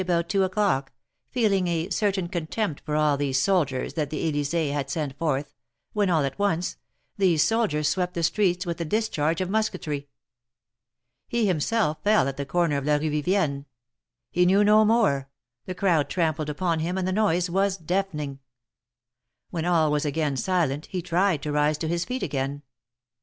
31 about two o'clock, feeling a certain contempt for all these soldiers that the Elys6e had sent forth, when all at once, these soldiers swept the streets with a discharge of musketry. He himself fell at the corner of la E ue Vivienne; he knew no more, the crowd trampled upon him, and the noise was deafening. When all was again silent, he tried to rise to his feet again.